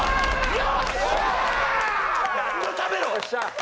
よっしゃ。